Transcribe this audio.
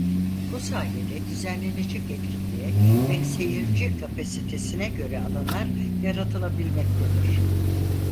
Bu sayede düzenlenecek etkinliğe ve seyirci kapasitesine göre alanlar yaratılabilmektedir.